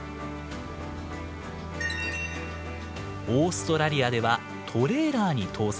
オーストラリアではトレーラーに搭載。